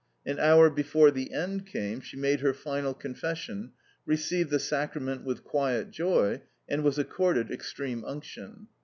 An hour before the end came she made her final confession, received the Sacrament with quiet joy, and was accorded extreme unction.